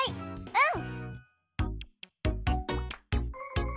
うん！